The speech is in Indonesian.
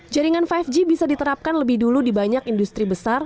jaringan lima g bisa diterapkan lebih dulu di banyak industri besar